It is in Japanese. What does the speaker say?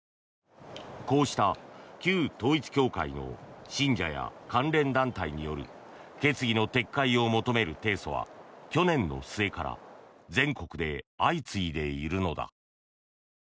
こうした旧統一教会の信者や関連団体による決議の撤回を求める提訴は去年の末から全国で相次いでいるのだ。